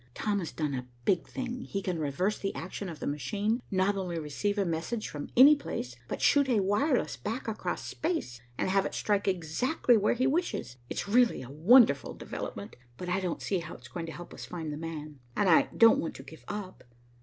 Tom has done a big thing. He can reverse the action of the machine, not only receive a message from any place, but shoot a wireless back across space, and have it strike exactly where he wishes. It's really a wonderful development, but I don't see how it's going to help us find 'the man,' and I don't want to give up.